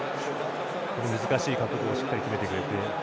難しい角度でしっかり決めてくれる。